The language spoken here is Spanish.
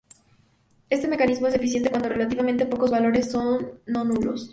Este mecanismo es eficiente cuando relativamente pocos valores son no nulos.